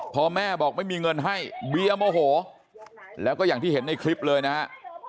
พอแม่บอกไม่มีเงินให้เบียร์โมโหแล้วก็อย่างที่เห็นในคลิปเลยนะฮะ